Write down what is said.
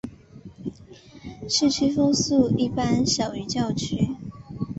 市区风速一般小于郊区。